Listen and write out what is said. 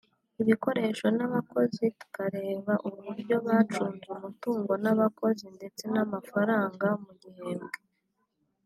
ibikoresho n’abakozi tukareba uburyo bacunze umutungo n’abakozi ndetsen’amafaranga mu gihembwe